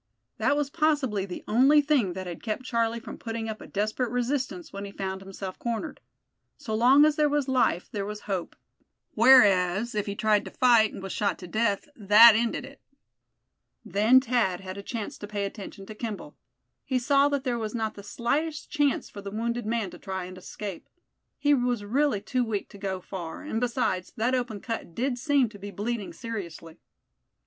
That was possibly the only thing that had kept Charlie from putting up a desperate resistance when he found himself cornered. So long as there was life there was hope; whereas, if he tried to fight, and was shot to death, that ended it. Then Thad had a chance to pay attention to Kimball. He saw that there was not the slightest chance for the wounded man to try and escape. He was really too weak to go far; and besides, that open cut did seem to be bleeding seriously.